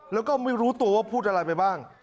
แล้วก็ไม่รู้ตัวว่าพูดอะไรไปบ้าง